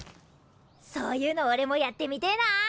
そういうのおれもやってみてえな。